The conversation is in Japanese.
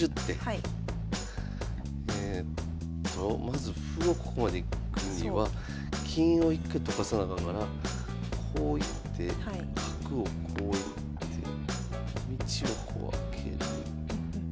えっとまず歩をここまで行くには金を一回どかさなあかんからこう行って角をこう行って道をこう空ける。